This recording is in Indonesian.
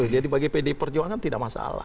jadi bagi pdi perjuangan tidak masalah